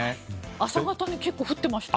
朝方、結構降ってました。